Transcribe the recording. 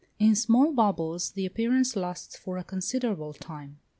In small bubbles the appearance lasts for a considerable time.